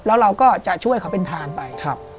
แล้วเราก็จะช่วยเขาเป็นทานไป